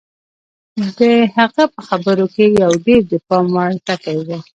د هغه په خبرو کې یو ډېر د پام وړ ټکی و